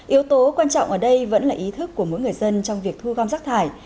yếu tố quan trọng ở đây vẫn là ý thức của mỗi người dân trong việc thu gom rác thải